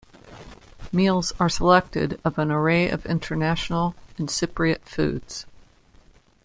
Meals are selected of an array of international and Cypriot foods.